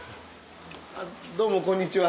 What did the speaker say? どうもこんにちは。